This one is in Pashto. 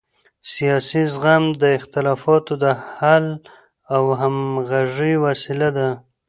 سیاسي زغم د اختلافاتو د حل او همغږۍ وسیله ده